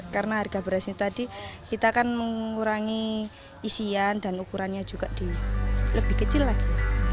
karena harga berasnya tadi kita kan mengurangi isian dan ukurannya juga lebih kecil lagi